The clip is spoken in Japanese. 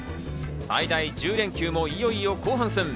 最大１０連休もいよいよ後半戦。